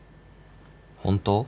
本当？